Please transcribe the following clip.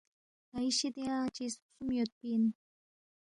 ن٘ئی شِدیا چیز خسُوم یودپی اِن